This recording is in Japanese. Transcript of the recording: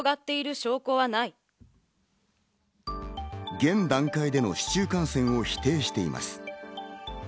現段階での市中感染を否定しています。